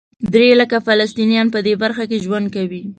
درې لکه فلسطینیان په دې برخه کې ژوند کوي.